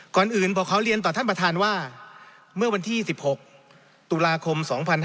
ก่อนอื่นบอกขอเรียนต่อท่านประธานว่าเมื่อวันที่๑๖ตุลาคม๒๕๕๙